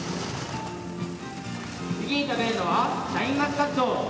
次に食べるのはシャインマスカット。